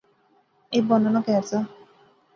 اے بانو نا کہر زا